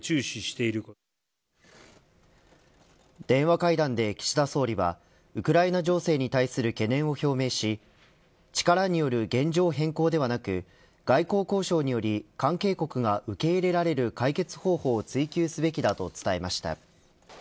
電話会談で岸田総理はウクライナ情勢に対する懸念を表明し力による現状変更ではなく外交交渉により関係国が受け入れられる解決方法を追求すべきだと伝えました。